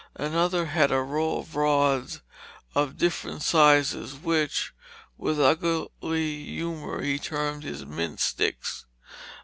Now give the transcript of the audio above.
Another had a row of rods of different sizes which, with ugly humor, he termed his "mint sticks."